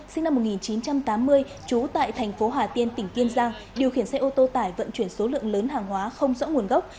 sinh năm một nghìn chín trăm tám mươi trú tại thành phố hà tiên tỉnh kiên giang điều khiển xe ô tô tải vận chuyển số lượng lớn hàng hóa không rõ nguồn gốc